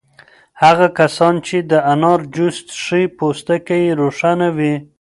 هغه کسان چې د انار جوس څښي پوستکی یې روښانه وي.